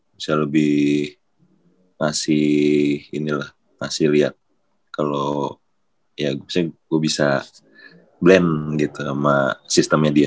bisa lebih ngasih ini lah ngasih liat kalo ya misalnya gue bisa blend gitu sama sistemnya dia